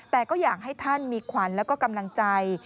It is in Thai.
แต่ก็อยากให้ท่านมีขวัญแล้วก็กำลังใจ